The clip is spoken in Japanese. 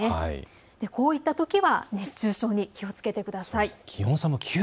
こういったときは熱中症に気をつけてください。